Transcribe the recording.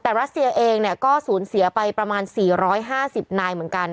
แต่รัสเซียเองเนี่ยก็สูญเสียไปประมาณ๔๕๐นายเหมือนกัน